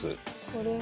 これは？